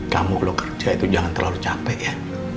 kamu kalau kerja itu jangan terlalu capek ya